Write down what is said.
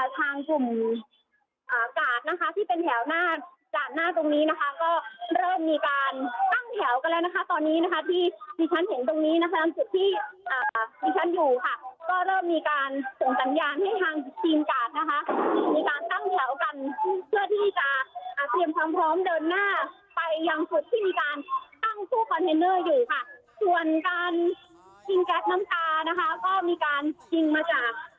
ทางกลุ่มกาดนะคะที่เป็นแถวหน้าจากหน้าตรงนี้นะคะก็เริ่มมีการตั้งแถวกันแล้วนะคะตอนนี้นะคะที่ที่ฉันเห็นตรงนี้นะคะจุดที่ที่ฉันอยู่ค่ะก็เริ่มมีการส่งสัญญาณให้ทางทีมกาดนะคะมีการตั้งแถวกันเพื่อที่จะเตรียมความพร้อมเดินหน้าไปยังจุดที่มีการตั้งตู้คอนเทนเนอร์อยู่ค่ะส่วนการยิงแก๊สน้ำตานะคะก็มีการยิงมาจาก